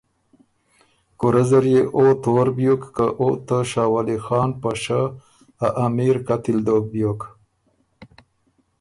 کُورۀ زر يې او تور بیوک که او ته شاه ولی خان په شۀ ا امیر قتل دوک بیوک،